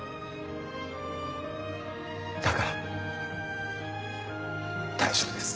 だから大丈夫です。